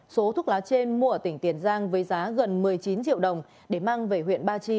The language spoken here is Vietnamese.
số thuốc lá trên mua ở tỉnh tiền giang với giá gần một mươi chín triệu đồng để mang về huyện ba chi